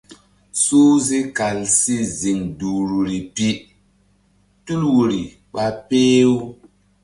Suhze kal si ziŋ duhri pi tul woyri ɓa peh-u.